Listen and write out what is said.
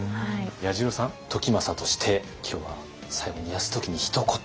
彌十郎さん時政として今日は最後に泰時にひと言。